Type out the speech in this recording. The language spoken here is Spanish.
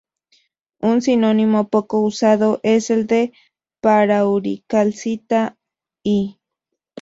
Un sinónimo poco usado es el de "parauricalcita-I".